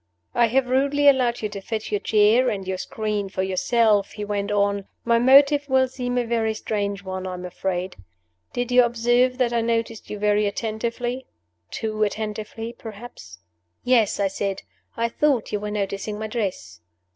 "I have rudely allowed you to fetch your chair and your screen for yourself," he went on. "My motive will seem a very strange one, I am afraid. Did you observe that I noticed you very attentively too attentively, perhaps?" "Yes," I said. "I thought you were noticing my dress."